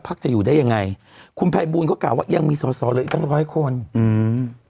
ภักดิ์จะอยู่ได้ยังไงคุณพายบูนก็กล่าวว่ายังมีสอสอเลยตั้งร้อยคนอืม